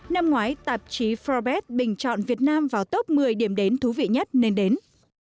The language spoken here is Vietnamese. năm ngoái tạp chí forbes bình chọn việt nam vào top một mươi điểm đến thú vị nhất nên đến